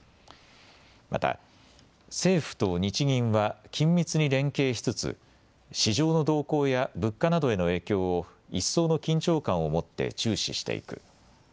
また政府と日銀は緊密に連携しつつ市場の動向や物価などへの影響を一層の緊張感を持って注視していく。